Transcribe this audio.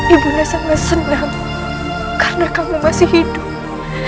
ibu saya senang karena kamu masih hidup